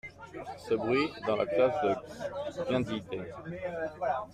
Ce bruit… dans la classe de Gindinet.